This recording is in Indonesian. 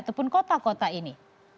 ataupun kota kota ini